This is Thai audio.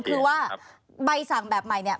คำถามคือว่า